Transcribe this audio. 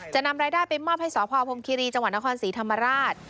จะนำรายได้ไปมอบให้สพคิรีจคศรีธรรมราช